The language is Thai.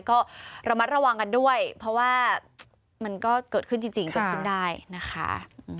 ก็ระมัดระวังกันด้วยเพราะว่ามันก็เกิดขึ้นจริงเกิดขึ้นได้นะคะ